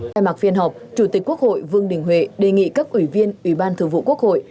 khai mạc phiên họp chủ tịch quốc hội vương đình huệ đề nghị các ủy viên ủy ban thường vụ quốc hội